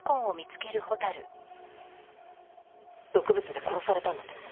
毒物で殺されたんだと思う。